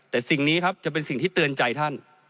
แต่สิ่งนี้ครับจะเป็นสิ่งที่เตือนใจท่าน